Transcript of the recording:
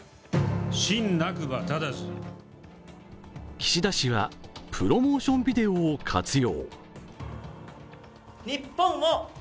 岸田氏はプロモーションビデオを活用。